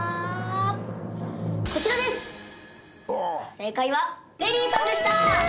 正解はペリーさんでした。